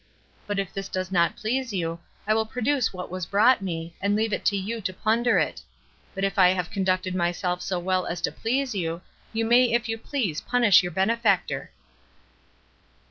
But if this does not please you, I will produce what was brought me, and leave it to you to plunder it; but if I have conducted myself so well as to please you, you may if you please punish your benefactor."